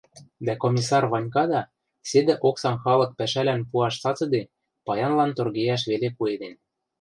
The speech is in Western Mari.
дӓ Комиссар Ванькада седӹ оксам халык пӓшӓлӓн пуаш цацыде, паянлан торгейӓш веле пуэден.